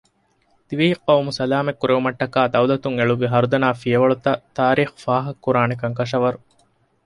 ދިވެހި ޤައުމު ސަލާމަތް ކުރެއްވުމަށްޓަކައި ދައުލަތުން އެޅުއްވި ހަރުދަނާ ފިޔަވަޅުތައް ތާރީޚް ފާހަގަކުރާނެކަން ކަށަވަރު